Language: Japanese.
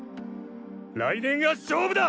来年が勝負だ！